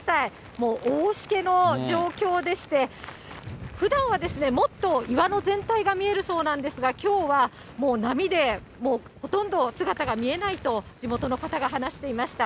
もう大しけの状況でして、ふだんはもっと岩の全体が見えるそうなんですが、きょうはもう波でもうほとんど姿が見えないと、地元の方が話していました。